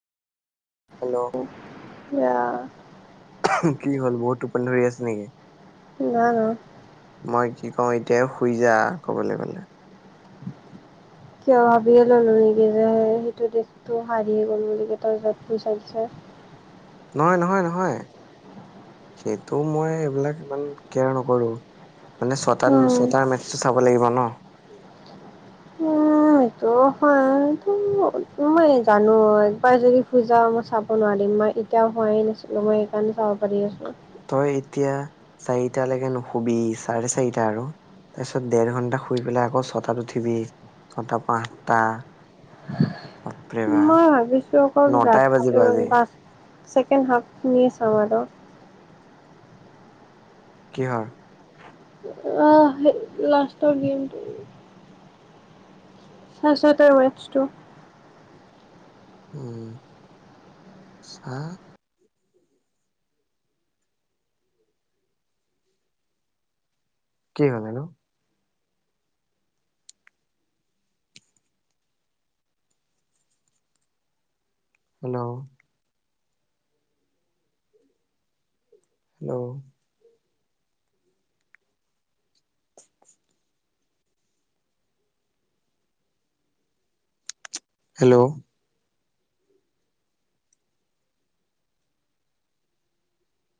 Hello ইয়া কি হ'ল, বহুত টোপনি ধৰি আছে নেকি? না মই কি কওঁ, এতিয়া শুই যা কবলৈ গ'লে? কিয় ভাবিয়ে ল'লো নেকি যে সেইটো দেশটো হাৰিয়ে গ'ল [unintelligible] নহয়, নহয়, নহয়। সেইটো মই সেইবিলাক ইমান কেয়াৰ নকৰো। মানে, ছটাত উম ছটাৰ মেথচটো চাব লাগিব ন? সেইটোও হয়, মই জানো একবাৰ যদি শুই যাওঁ, মই চাব নোৱাৰিম। মই এতিয়াও শুবাই নাছিলো মই সেইকাৰণে চাব পাৰি আছোঁ। তই এতিয়া চাৰিটালৈকে নুশুবি, চাৰে-চাৰিটা আৰু। তাৰপিছত ডেৰ-ঘন্টা শুই পেলাই আকৌ ছটাত উঠিবি, ছটা পা আঠটা। [inaudible] বাপ মই ভাবিছোঁ অকল নটাই বাজিব আজি [unintelligible] ছেকেণ্ড হাফখিনিয়ে চাম আৰু। কিহৰ? আহ, সেই লাষ্টৰ গেম'টো। ছাৰে-ছটা মেটচটো। উম, চাহ! কি হয় ন'? হেল্ল'ও। হেল্ল'ও। হেল্ল'ও।